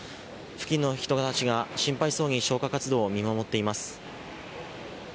付近の人たちが心配そうに消火活動を見守っています。